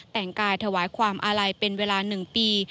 แต่งกายถวายความอาลัยเป็นเวลา๑ปี